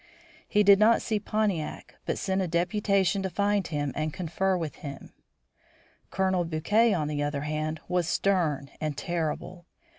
He did not see Pontiac, but sent a deputation to find him and confer with him. Colonel Bouquet, on the other hand, was stern and terrible.